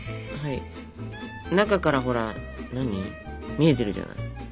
中からほら見えてるじゃない。